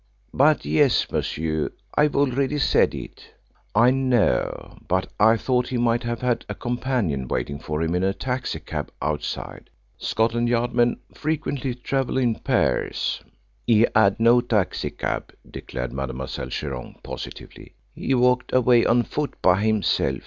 "But yes, monsieur, I have already said it." "I know, but I thought he might have had a companion waiting for him in a taxi cab outside. Scotland Yard men frequently travel in pairs." "He had no taxi cab," declared Mademoiselle Chiron, positively. "He walked away on foot by himself.